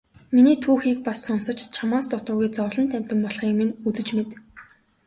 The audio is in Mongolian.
Миний түүхийг бас сонсож чамаас дутуугүй зовлонт амьтан болохыг минь үзэж мэд.